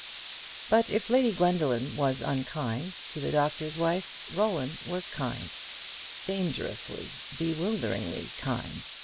But if Lady Gwendoline was unkind to the Doctor's Wife, Roland was kind; dangerously, bewilderingly kind.